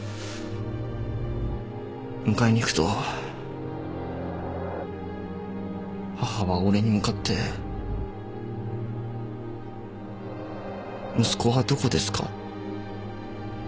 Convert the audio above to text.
迎えに行くと母は俺に向かって「息子はどこですか？」と聞くんです。